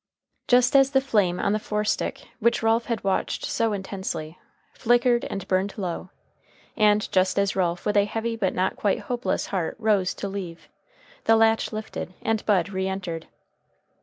Just as the flame on the forestick, which Ralph had watched so intensely, flickered and burned low, and just as Ralph with a heavy but not quite hopeless heart rose to leave, the latch lifted and Bud re entered.